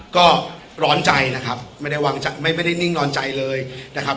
ก็ร้อนใจนะครับไม่ได้วางใจไม่ได้นิ่งนอนใจเลยนะครับ